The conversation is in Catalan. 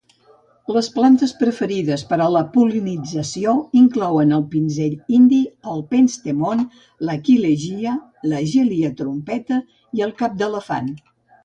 Les plantes preferides per a la pol·linització inclouen el pinzell indi, el penstemon, l'aquilegia, la gilia trompeta i el cap d'elefant.